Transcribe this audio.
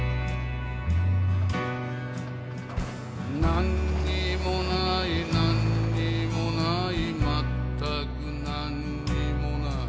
「なんにもないなんにもないまったくなんにもない」